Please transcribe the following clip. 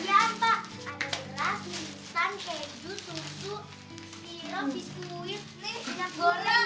ada apa sih kak